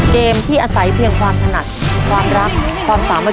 เกมที่อาศัยเพียงความถนัดความรักความสามัคคี